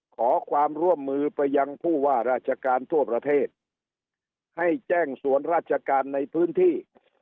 ขอความร่วมมือไปยังผู้ว่าราชการทั่วประเทศให้แจ้งส่วนราชการในพื้นที่